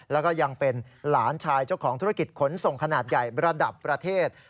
แล้วก็ยังเป็นหลานชายเจ้าของธุรกิจขนส่งขนาดใหญ่ระดับประเทศ